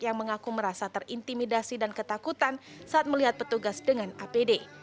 yang mengaku merasa terintimidasi dan ketakutan saat melihat petugas dengan apd